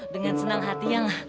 dengan senang hati yang